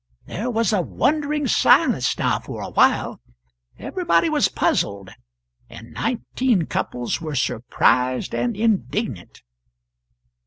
There was a wondering silence now for a while. Everybody was puzzled, and nineteen couples were surprised and indignant.